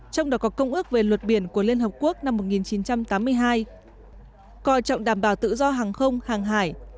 trong đó có công ước về luật biển của liên hợp quốc năm một nghìn chín trăm tám mươi hai coi trọng đảm bảo tự do hàng không hàng hải